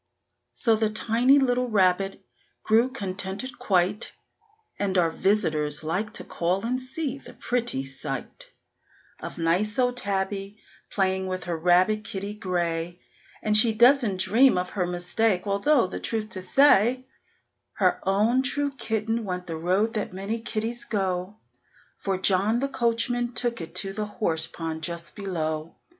So the tiny little rabbit grew contented quite, And our visitors like to call and see the pretty sight Of nice old Tabby playing with her rabbit kitty gray; And she doesn't dream of her mistake, although, the truth to say, Her own true kitten went the road that many kittys go; For John the coachman took it to the horse pond just below.